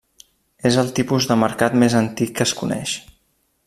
És el tipus de mercat més antic que es coneix.